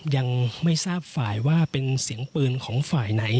ยังไม่ทราบฝ่ายว่าเป็นเสียงปืนของฝ่ายไหน